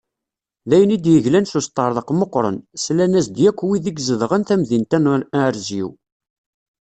D ayen i d-yeglan s usṭerḍeq meqqren, slan-as-d yakk wid i izedɣen tamdint-a n Arezyu.